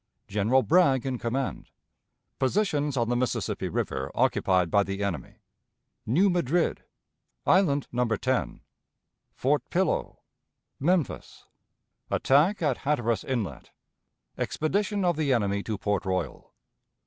General Bragg in Command. Positions on the Mississippi River occupied by the Enemy. New Madrid. Island No. 10. Fort Pillow. Memphis. Attack at Hatteras Inlet. Expedition of the Enemy to Port Royal.